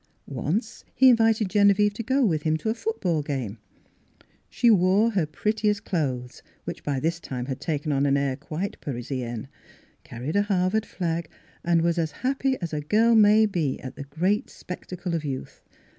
Once he invited Genevieve to go with him to a foot ball game ; she wore her prettiest clothes, which by this time had taken on an air quite Parisienne, carried a Harvard flag, and was as happy as a girl may be at the great spectacle of youth.